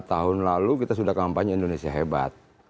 tahun lalu kita sudah kampanye indonesia hebat